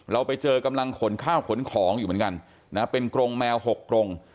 เราไปเจอกำลังขนข้าวขนของอยู่เหมือนกันนะเป็นกรงแมว๖กรง